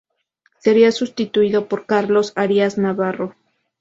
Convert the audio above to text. Sería sustituido por Carlos Arias Navarro.